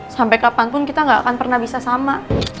sampai kapanpun kita gak akan pernah bisa sama